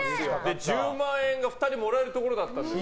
１０万円が２人もらえるところだったんですよ。